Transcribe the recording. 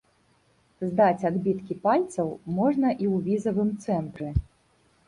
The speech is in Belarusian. Здаць адбіткі пальцаў можна і ў візавым цэнтры.